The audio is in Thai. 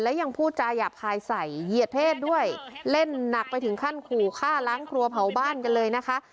และยังพูดจาหยาบคายใส่เหยียดเพศด้วยเล่นหนักไปถึงขั้นขู่ฆ่าล้างครัวเผาบ้านกันเลยนะคะ